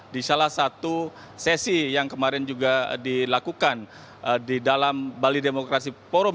di salah satu sesi yang kemarin juga dilakukan di dalam bali demokrasi forum